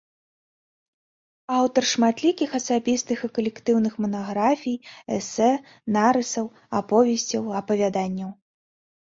Аўтар шматлікіх асабістых і калектыўных манаграфій, эсэ, нарысаў, аповесцяў, апавяданняў.